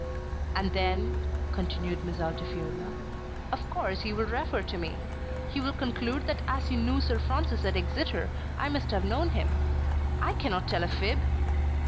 "And then," continued Miss Altifiorla, "of course he will refer to me. He will conclude that as you knew Sir Francis at Exeter I must have known him. I cannot tell a fib."